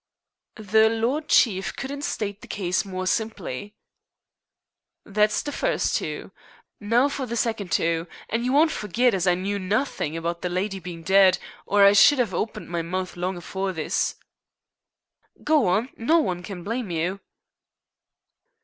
"The Lord Chief couldn't state the case more simply." "That's the first two. Now, for the second two, an' you won't forgit as I knew nothink about the lydy bein' dead, or I should 'ave opened my mouth long afore this." "Go on. No one can blame you."